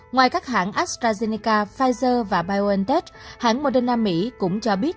ngoài các hãng astrazeneca pfizer và biontech hãng moderna mỹ cũng cho biết